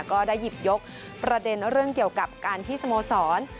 ก็ได้หยิบยกประเด็นเรื่องเกี่ยวกับการที่สโมสร